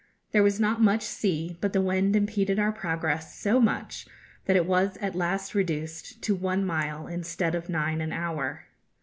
There was not much sea, but the wind impeded our progress so much, that it was at last reduced to one mile instead of nine an hour.